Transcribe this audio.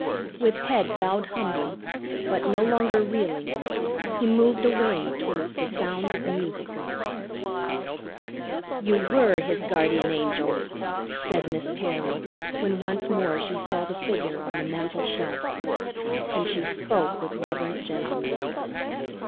With head bowed humbly, but no longer reeling, he moved away towards the sound of music. "You were his Guardian Angel," said Miss Terry, when once more she saw the figure on the mantel shelf. And she spoke with reverent gentleness.